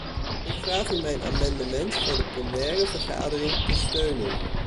Ik vraag u mijn amendementen voor de plenaire vergadering te steunen.